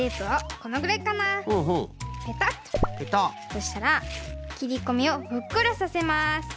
そしたらきりこみをふっくらさせます。